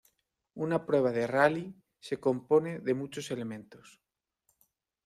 Una prueba de rally se compone de muchos elementos.